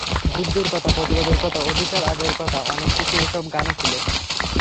যুদ্ধের কথা, প্রতিবাদের কথা, অধিকার আদায়ের কথা—অনেক কিছু এসব গানে ছিল।